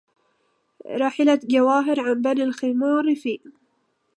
رحلت جواهر عن بني الخمار في